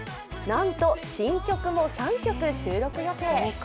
なんと、新曲も３曲収録予定。